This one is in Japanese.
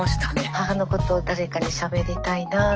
母のことを誰かにしゃべりたいなあとか思って。